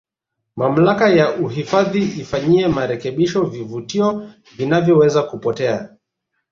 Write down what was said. mamlaka ya uhifadhi ifanyie marekebisho vivutio vinavyoweza kupotea